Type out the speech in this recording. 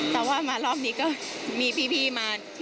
แต่ว่ามารอบนี้ก็มีพี่มา